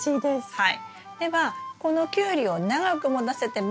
はい！